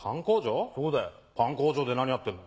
パン工場で何やってんだ？